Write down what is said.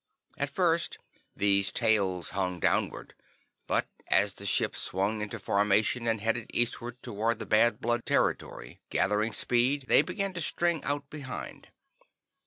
At first these "tails" hung downward, but as the ships swung into formation and headed eastward toward the Bad Blood territory, gathering speed, they began to string out behind.